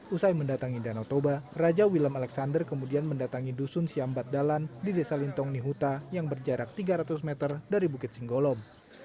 usai mendatangi danau toba raja willem alexander kemudian mendatangi dusun siambat dalan di desa lintong nihuta yang berjarak tiga ratus meter dari bukit singgolom